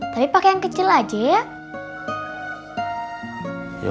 tapi pakai yang kecil aja ya